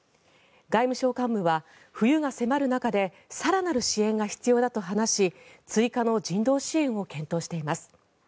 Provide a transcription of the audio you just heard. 外務省幹部は冬が迫る中で更なる支援が必要だと話し追加の人道支援を検討しています。